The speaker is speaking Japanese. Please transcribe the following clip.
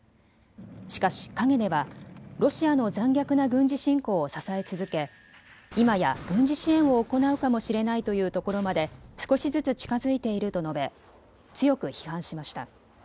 しかし陰ではロシアの残虐な軍事侵攻を支え続け今や軍事支援を行うかもしれないというところまで少しずつ近づいていると述べ強く批判しました。